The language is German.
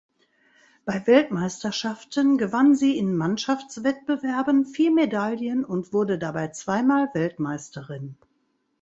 Bei Weltmeisterschaften gewann sie in Mannschaftswettbewerben vier Medaillen und wurde dabei zweimal Weltmeisterin.